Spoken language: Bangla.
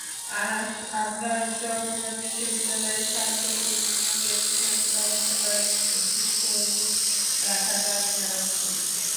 আমরা জগন্নাথ বিশ্ববিদ্যালয়ের সাম্প্রতিক নিয়োগের বিষয়টি তদন্ত করা এবং স্থগিত রাখার দাবি জানাচ্ছি।